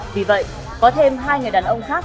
vì vậy có thêm hai người đàn ông khác